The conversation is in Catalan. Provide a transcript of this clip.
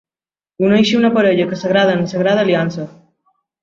Uneixi una parella que s'agrada en sagrada aliança.